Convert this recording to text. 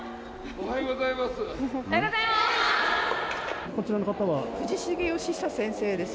おはようございます。